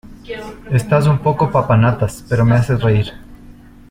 Estás un poco papanatas, pero me haces reír.